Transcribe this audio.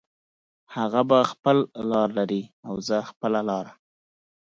هغه به خپله لار لري او زه به خپله لاره